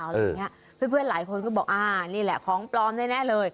อะไรอย่างเงี้ยเพื่อนหลายคนก็บอกอ่านี่แหละของปลอมแน่เลย